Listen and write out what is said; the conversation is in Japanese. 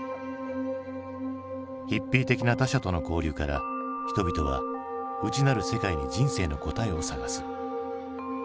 ヒッピー的な他者との交流から人々は内なる世界に人生の答えを探す。